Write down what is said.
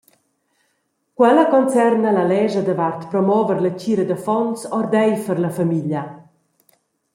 Quella concerna la lescha davart promover la tgira d’affons ordeifer la famiglia.